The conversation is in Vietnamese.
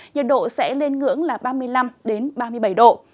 nhiệt độ sẽ lên ngưỡng là ba mươi năm ba mươi bảy độ